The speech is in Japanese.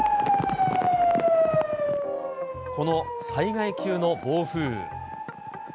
この災害級の暴風雨。